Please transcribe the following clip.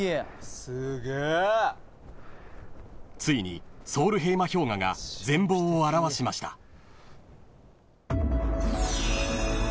［ついにソウルヘイマ氷河が全貌を現しました］